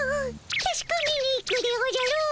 たしかめに行くでおじゃる。